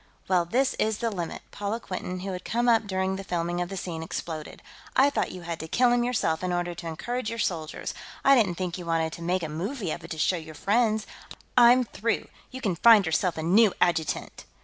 "Well, this is the limit!" Paula Quinton, who had come up during the filming of the scene, exploded. "I thought you had to kill him yourself in order to encourage your soldiers; I didn't think you wanted to make a movie of it to show your friends. I'm through; you can find yourself a new adjutant!"